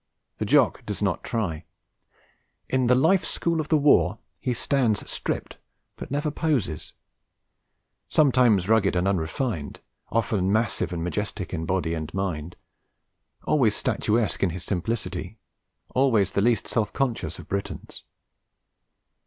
The Jock does not try. In the life school of the war he stands stripped, but never poses; sometimes rugged and unrefined; often massive and majestic in body and mind; always statuesque in his simplicity, always the least self conscious of Britons.